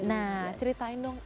nah ceritain dong